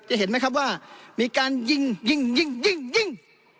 จะเห็นไหมครับว่ามีการยิงยิงยิงยิงยิง